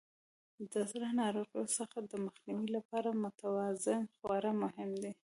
د زړه ناروغیو څخه د مخنیوي لپاره متوازن خواړه مهم دي.